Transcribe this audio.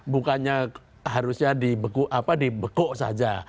bukannya harusnya dibeku saja